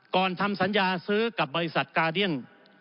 ทำสัญญาซื้อกับบริษัทกาเดียน